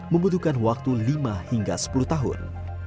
membutuhkan waktu lima hingga sepuluh tahun